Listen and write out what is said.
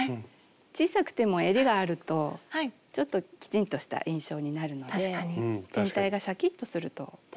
小さくてもえりがあるとちょっときちんとした印象になるので全体がシャキッとすると思います。